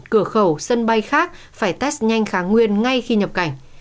cầu sân bay khác phải test nhanh kháng nguyên ngay khi nhập cảnh